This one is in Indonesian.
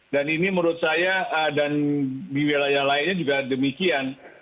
dan ini menurut saya dan di wilayah lainnya juga demikian